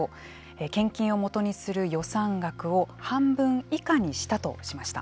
献金を基にする予算額を半分以下にしたとしました。